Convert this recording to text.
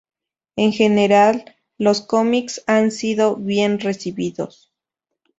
En general, los cómics han sido bien recibidos.